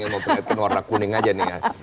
ini pengen mau penelitikan warna kuning aja nih ya